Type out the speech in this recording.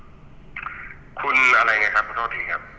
อือคุณอะไรเนี่ยครับขอโทษทีครับ